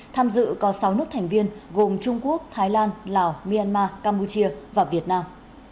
tham dự có sáu nước thành viên gồm trung quốc thái lan lào myanmar campuchia và việt nam